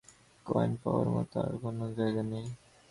Coin পাওয়ার মতো আর কোনো জায়গা নেই।